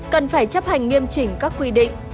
cần phải chấp hành nghiêm chỉnh các quy định